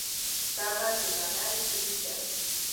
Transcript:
صبر د بری کلي ده.